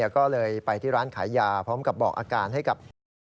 ก็เลยไปที่ร้านขายยาพร้อมกับบอกอาการให้กับญาติ